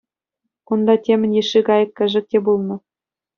Унта темӗн йышши кайӑк-кӗшӗк те пулнӑ.